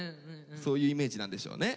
そういうイメージなんでしょうね。